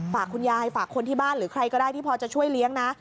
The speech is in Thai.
ฝากคุณยายฝากคนที่บ้านหรือใครก็ได้ที่พอจะช่วยเลี้ยงนะ